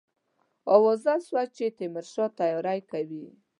آوازه سوه چې تیمورشاه تیاری کوي.